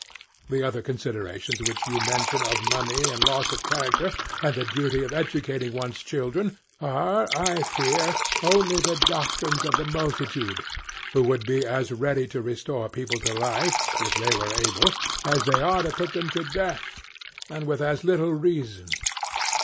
The other considerations which you mention, of money and loss of character and the duty of educating one's children, are, I fear, only the doctrines of the multitude, who would be as ready to restore people to life, if they were able, as they are to put them to death and with as little reason.